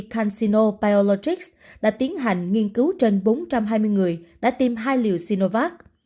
cansino piallotics đã tiến hành nghiên cứu trên bốn trăm hai mươi người đã tiêm hai liều sinovac